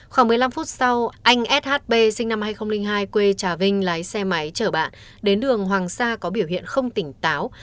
khoảng một mươi năm phút sau anh shb sinh năm hai nghìn hai quê trà vinh lái xe máy chở bạn đến đường hoàng sa có biểu hiện không tỉnh táo